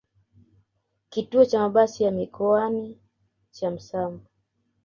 kituo cha mabasi ya mikoani cha Msanvu